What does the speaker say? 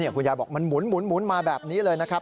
คุณยายบอกมันหมุนมาแบบนี้เลยนะครับ